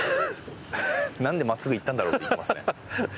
「なんで真っすぐいったんだろう」って言ってますね。